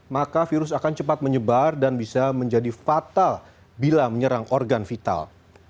maka virus akan cepat menyebar dan bisa menjadi fatal bila menyerang organ vital